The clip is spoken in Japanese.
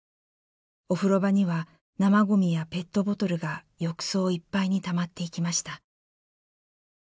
お風呂場には生ゴミやペットボトルが浴槽いっぱいにたまっていきました。